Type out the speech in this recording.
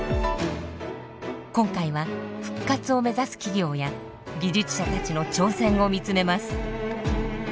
今回は復活を目指す企業や技術者たちの挑戦を見つめます。